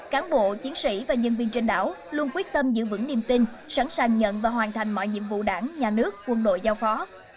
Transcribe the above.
cán bộ chiến sĩ và nhân viên trên đảo luôn quyết tâm giữ vững niềm tin sẵn sàng nhận và hoàn thành mọi nhiệm vụ đảng nhà nước quân đội giao phó